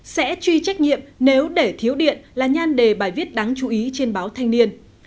sẽ truy trách nhiệm nếu để thiếu điện là nhan đề bài viết đáng chú ý trên báo thanh niên